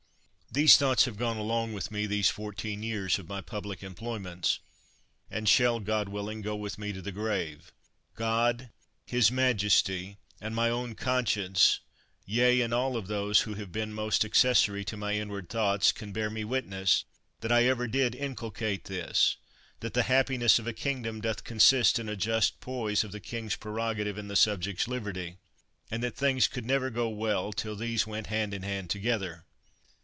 These thoughts have gone along with me these fourteen years of my public employments, and shall, God willing, go with me to the grave ! God, 71 THE WORLD'S FAMOUS ORATIONS his majesty, and my own conscience, yea, and all of those who have been most accessory to my inward thoughts, can bear me witness that I ever did inculcate this, that the happiness of a kingdom doth consist in a just poise of the king's prerogative and the subject's liberty, and that things could never go well till these went hand in hand together.